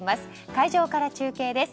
会場から中継です。